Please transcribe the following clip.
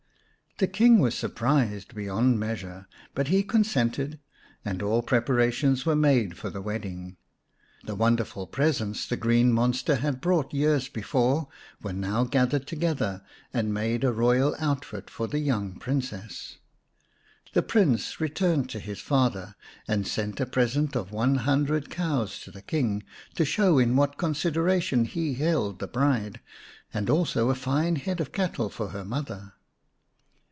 The King was surprised beyond measure, but he consented, and all preparations were made for the wedding. The wonderful presents the green monster had brought years before were now 208 xvn Or, the Moss Green Princess gathered together and made a royal outfit for the young Princess. The Prince returned to his father, and sent a present of one hundred cows to the King, to show in what consideration he held the bride, and also a fine head of cattle for her mother.